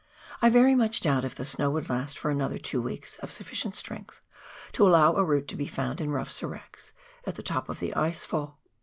I verj' much doubt if the snow would last for another two weeks of suffi cient strength to allow a route to be found in rough seracs at the top of the ice fall.